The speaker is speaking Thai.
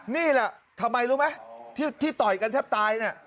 นี่แหละทำไมรู้ไหมที่ต่อยกันแทบตายน่ะ